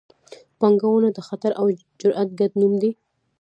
پانګونه د خطر او جرات ګډ نوم دی.